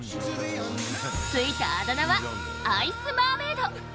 付いたあだ名はアイスマーメイド。